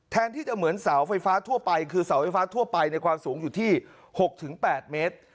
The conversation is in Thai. ที่จะเหมือนเสาไฟฟ้าทั่วไปคือเสาไฟฟ้าทั่วไปในความสูงอยู่ที่๖๘เมตร